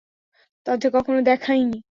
তাদের কখনো দেখিইনি।